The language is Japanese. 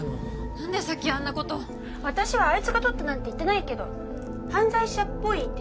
何でさっきあんなこと私はあいつがとったなんて言ってないけど犯罪者っぽいって言っただけ